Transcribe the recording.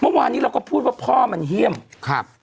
เมื่อวานนี้เราก็พูดว่าพ่อมันเยี่ยมครับ